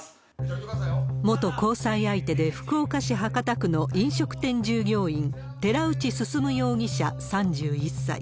元交際相手で福岡市博多区の飲食店従業員、寺内進容疑者３１歳。